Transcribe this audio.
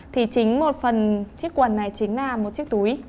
thì chính một phần chiếc quần này chính là một chiếc túi